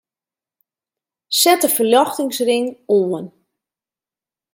Set de ferljochtingsring oan.